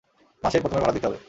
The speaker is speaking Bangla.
মাসের প্রথমে ভাড়া দিতে হবে।